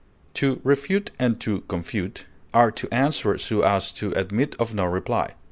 To refute and to confute are to answer so as to admit of no reply.